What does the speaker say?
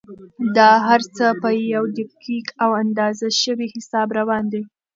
دا هر څه په یو دقیق او اندازه شوي حساب روان دي.